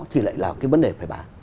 thì lại là cái vấn đề phải bán